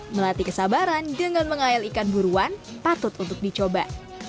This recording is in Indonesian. melatih kesabaran dengan mengayal ikan buruan patut untuk dicoba